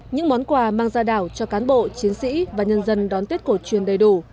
những món quà mang ra đảo cho cán bộ chiến sĩ và nhân dân đón tết cổ truyền đầy đủ